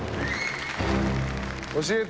「教えて！